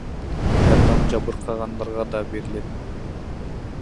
Жардам жабыркагандарга да берилет.